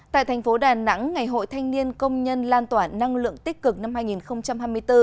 tại thành phố đà nẵng ngày hội thanh niên công nhân lan tỏa năng lượng tích cực năm hai nghìn hai mươi bốn